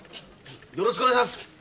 よろしくお願いします。